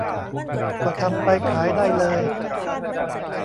ก็ทำไปขายได้เลย